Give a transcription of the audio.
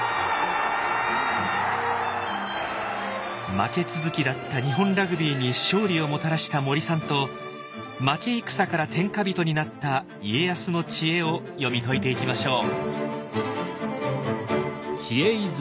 負け続きだった日本ラグビーに勝利をもたらした森さんと負け戦から天下人になった家康の知恵を読み解いていきましょう。